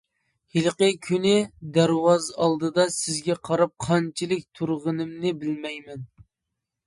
ھېلىقى كۈنى دەرۋازا ئالدىدا سىزگە قاراپ قانچىلىك تۇرغىنىمنى بىلمەيمەن.